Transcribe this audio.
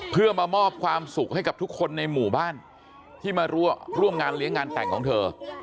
เพื่อมามอบความสุขให้กับทุกคนในหมู่บ้านที่มาร่วมงานเลี้ยงงานแต่งของเธอ